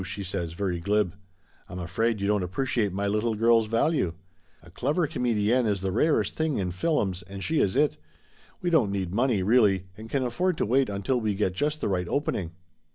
she says very glib. "I'm afraid you don't appreciate my little girl's value. A clever comedienne is the rarest thing in fillums, and she is it. We don't need money, really, and can afford to wait until we get just the right opening."